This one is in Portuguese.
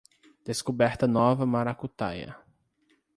Descoberta nova maracutaia